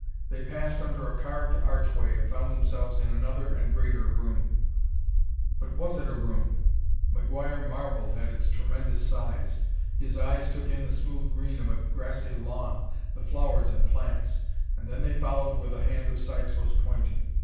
They passed under a carved archway and found themselves in another and greater room. But was it a room? McGuire marveled at its tremendous size. His eyes took in the smooth green of a grassy lawn, the flowers and plants, and then they followed where the hand of Sykes was pointing.